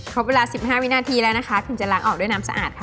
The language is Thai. เวลา๑๕วินาทีแล้วนะคะถึงจะล้างออกด้วยน้ำสะอาดค่ะ